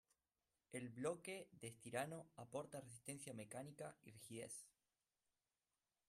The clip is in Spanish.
El bloque de estireno aporta resistencia mecánica y rigidez.